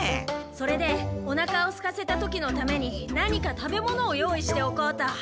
それでおなかをすかせた時のために何か食べ物を用意しておこうと。